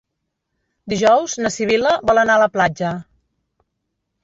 Dijous na Sibil·la vol anar a la platja.